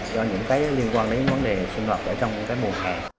do những cái liên quan đến vấn đề sinh hoạt ở trong mùa hè